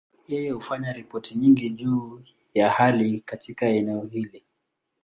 Yeye hufanya ripoti nyingi juu ya hali katika eneo hili.